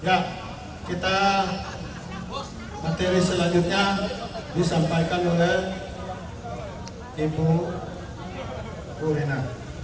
ya kita materi selanjutnya disampaikan oleh ibu rulina